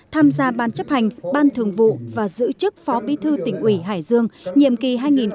tham gia ban chấp hành ban thường vụ và giữ chức phó bí thư tỉnh ủy hải dương nhiệm kỳ hai nghìn một mươi năm hai nghìn hai mươi